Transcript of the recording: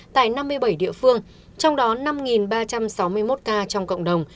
tại năm mươi bảy địa phương trong đó năm ba trăm sáu mươi một ca trong cộng đồng